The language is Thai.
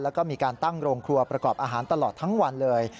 แล้วก็มีการตั้งโรงครัวประกอบอาหารตลอดทั้งวันเลย